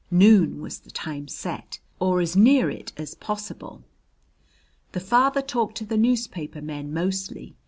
Noon was the time set, or as near it as possible. "The father talked to the newspaper men mostly.